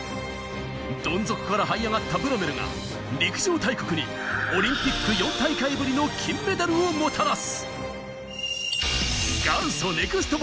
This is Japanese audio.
どん底からはい上がったブロメルが陸上大国にオリンピック４大会ぶりの金メダルをもたらす。